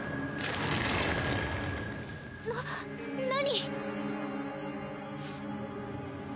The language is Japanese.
な何？